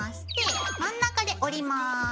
で真ん中で折ります。